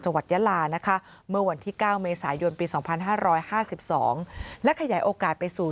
ยาลานะคะเมื่อวันที่๙เมษายนปี๒๕๕๒และขยายโอกาสไปสู่